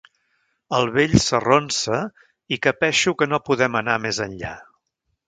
El vell s'arronsa i capeixo que no podem anar més enllà.